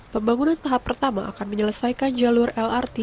pembangunan tahap pertama akan menyelesaikan jalur lrt